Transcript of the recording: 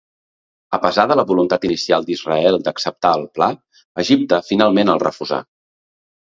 A pesar de la voluntat inicial d'Israel d'acceptar el pla, Egipte finalment el refusà.